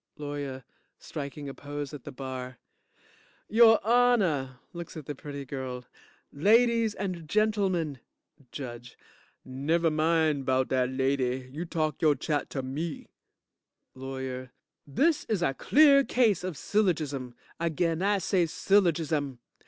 LAWYER (Striking a pose at the bar) Your Honor, (Looks at the pretty girl) Ladies and Gentlemen JUDGE Never mind 'bout dat lady. You talk yo' chat to me. LAWYER This is a clear case of syllogism! Again I say syllogism.